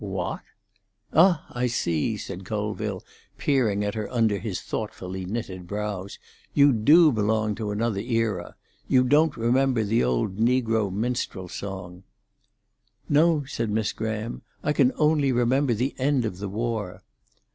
"What!" "Ah, I see," said Colville, peering at her under his thoughtfully knitted brows, "you do belong to another era. You don't remember the old negro minstrel song." "No," said Miss Graham. "I can only remember the end of the war."